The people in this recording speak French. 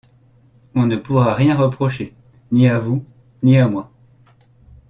On ne pourra rien reprocher, ni à vous, ni à moi.